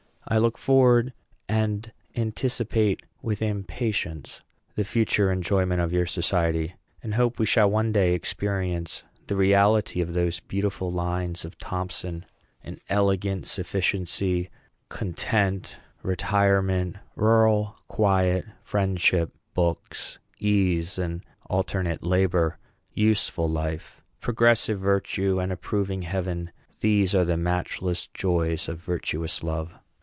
I look forward and anticipate with impatience the future enjoyment of your society, and hope we shall one day experience the reality of those beautiful lines of Thomson: " an elegant sufficiency, Content, retirement, rural quiet, friendship, Books, ease, and alternate labor; useful life, Progressive virtue, and approving Heaven; These are the matchless joys of virtuous love.